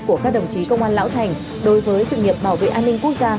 của các đồng chí công an lão thành đối với sự nghiệp bảo vệ an ninh quốc gia